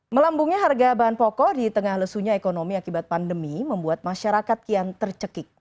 melambungnya harga bahan pokok di tengah lesunya ekonomi akibat pandemi membuat masyarakat kian tercekik